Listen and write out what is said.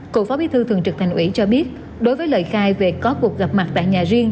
cựu phó bí thư thường trực thành ủy cho biết đối với lời khai về có cuộc gặp mặt tại nhà riêng